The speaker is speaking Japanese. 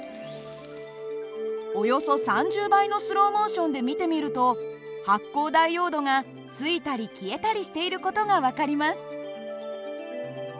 およそ３０倍のスローモーションで見てみると発光ダイオードがついたり消えたりしている事が分かります。